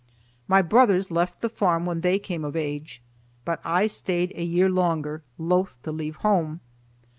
My brothers left the farm when they came of age, but I stayed a year longer, loath to leave home.